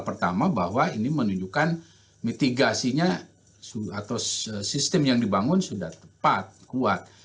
pertama bahwa ini menunjukkan mitigasinya atau sistem yang dibangun sudah tepat kuat